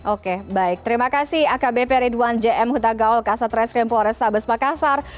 oke baik terima kasih akbp ridwan j m hutagaul kasat reskrim forestabes makassar